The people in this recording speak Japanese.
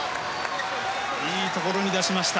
いいところに出しました。